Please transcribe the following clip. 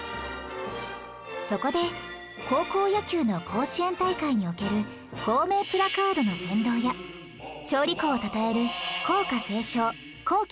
そこで高校野球の甲子園大会における校名プラカードの先導や勝利校をたたえる校歌斉唱校旗